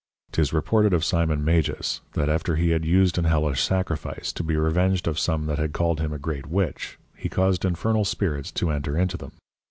'Tis reported of Simon Magus, that after he had used an Hellish Sacrifice, to be revenged of some that had called him a great Witch, he caused infernal Spirits to enter into them.